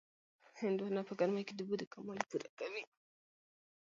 هندواڼه په ګرمۍ کې د اوبو کموالی پوره کوي.